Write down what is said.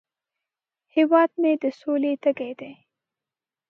هیواد مې د سولې تږی دی